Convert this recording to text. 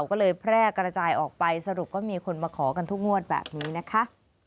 ก็เลยแพร่กระจายออกไปสรุปก็มีคนมาขอกันทุกงวดแบบนี้นะคะ